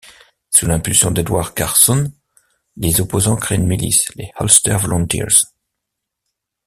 Sous l'impulsion d'Edward Carson, les opposants créent une milice, les Ulster Volunteers.